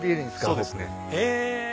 そうですね。